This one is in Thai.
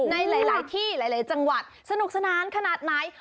ในหลายที่หลายจังหวัดสนุกสนานขนาดไหน